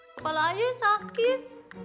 kepala ayah sakit